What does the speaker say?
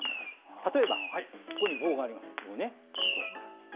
例えば、ここに棒があります。